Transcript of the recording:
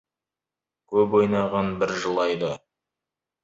Көп ойнаған бір жылайды.